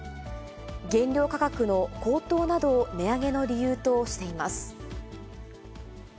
原料価格の高騰などを値上げの理由としています。